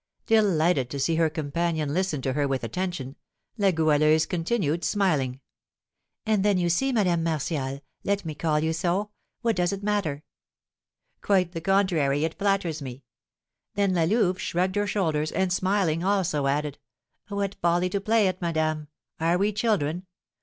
Delighted to see her companion listen to her with attention, La Goualeuse continued, smiling: "And then you see, Madame Martial, let me call you so, what does it matter " "Quite the contrary; it flatters me." Then La Louve shrugged her shoulders, and, smiling, also added, "What folly to play at madame! Are we children?